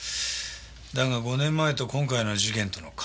だが５年前と今回の事件との関連は？